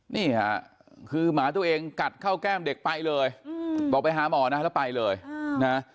นี่ค่ะคือหมาตัวเองกัดเข้าแก้มเด็กไปเลยบอกไปหาหมอนะแล้วไปเลยนะ